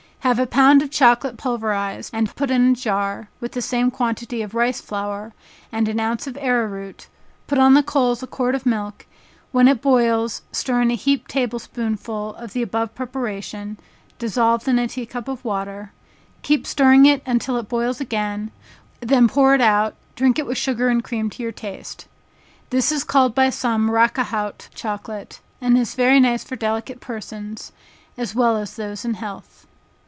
Have a pound of chocolate pulverized, and put in a jar, with the same quantity of rice flour, and an ounce of arrow root, put on coals a quart of milk, when it boils, stir in a heaped table spoonful of the above preparation, (dissolved in a tea cup of water,) keep stirring it until it boils again, when pour it out, drink it with sugar and cream to your taste. This is called by some "Rac a haut" chocolate, and is very nice for delicate persons, as well as those in health.